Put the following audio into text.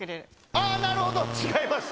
ああ、なるほど、違います。